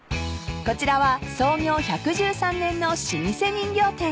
［こちらは創業１１３年の老舗人形店］